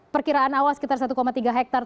perkiraan awal sekitar satu tiga hektare